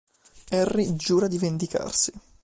Harry giura di vendicarsi.